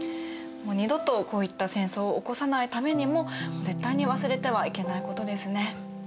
もう二度とこういった戦争を起こさないためにも絶対に忘れてはいけないことですね。